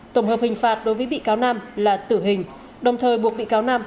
tổng hợp hình phạt đối với bị cáo nam là tử hình đồng thời buộc bị cáo nam